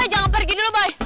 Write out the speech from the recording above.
boy jangan pergi dulu boy